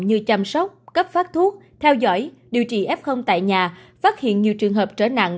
như chăm sóc cấp phát thuốc theo dõi điều trị f tại nhà phát hiện nhiều trường hợp trở nặng